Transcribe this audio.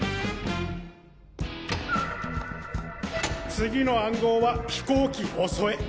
次の暗号は「飛行機襲え」！